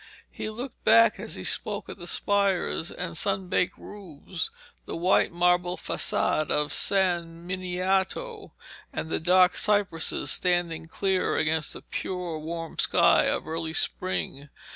He looked back as he spoke at the spires and sunbaked roofs, the white marble facade of San Miniato, and the dark cypresses standing clear against the pure warm sky of early spring.